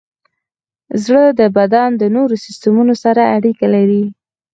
زړه د بدن د نورو سیستمونو سره اړیکه لري.